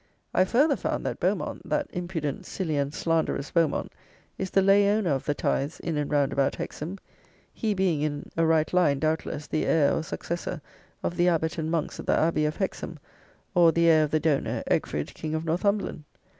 I further found that Beaumont, that impudent, silly and slanderous Beaumont, is the lay owner of the tithes in and round about Hexham; he being, in a right line, doubtless, the heir or successor of the abbot and monks of the Abbey of Hexham; or, the heir of the donor, Egfrid, king of Northumberland.